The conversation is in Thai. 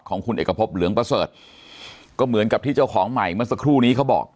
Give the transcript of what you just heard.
ของคุณเอกพบเหลืองประเสริฐก็เหมือนกับที่เจ้าของใหม่เมื่อสักครู่นี้เขาบอก